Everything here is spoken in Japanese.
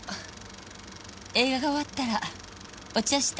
映画が終わったらお茶したいわ。